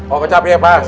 oh kecap ya bas